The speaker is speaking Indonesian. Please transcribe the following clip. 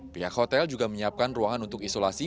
pihak hotel juga menyiapkan ruangan untuk isolasi